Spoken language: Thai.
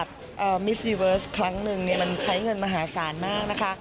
ปีนี้ไม่ใช่แน่นอนค่ะ